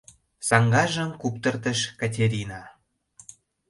— Саҥгажым куптыртыш Катерина.